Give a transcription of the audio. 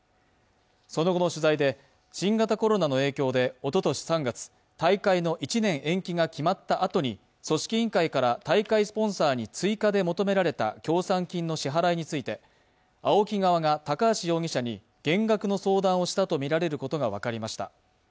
その後の取材で、新型コロナの影響でおととし３月、大会の１年延期が決まったあとに組織委員会から大会スポンサーに追加で求められた協賛金の支払いについて、ＡＯＫＩ側が高橋容疑者に減額の相談をしたとみられることが分かりました。